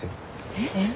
えっ！？